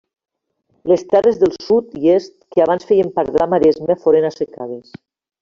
Les terres del sud i est que abans feien part de la maresma foren assecades.